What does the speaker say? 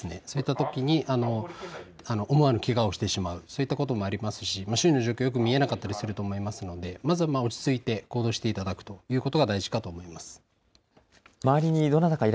そうしたときに思わぬけがをしてしまうそういったこともありますし周囲の状況が、よく見えなかったりすると思うのでまずは落ち着いて行動していただくということが大事だと思います。